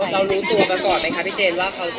แล้วรู้ตัวก่อนไหมคะพี่เจน